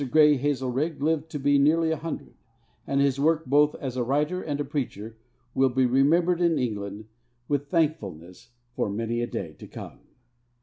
Grey Hazelrigg lived to be nearly a hundred, and his work, both as a writer and a preacher, will be remembered in England with thankfulness for many a day to come.